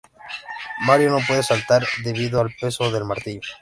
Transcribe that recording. Mario no puede saltar debido al peso del martillo.